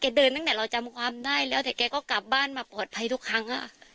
เดินตั้งแต่เราจำความได้แล้วแต่แกก็กลับบ้านมาปลอดภัยทุกครั้ง